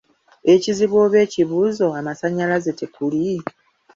Ekizibu oba ekibuuzo amasannyalaze tekuli?